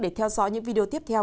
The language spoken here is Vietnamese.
để theo dõi những video tiếp theo